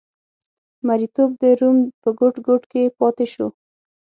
مریتوب د روم په ګوټ ګوټ کې پاتې شو.